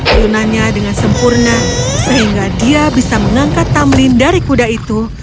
dia mengatur perlunannya dengan sempurna sehingga dia bisa mengangkat tamlin dari kuda itu